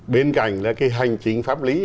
bên cạnh là cái hành trình pháp lý